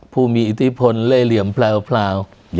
ผู้มีอิทธิพลเล่เหลี่ยมแพลว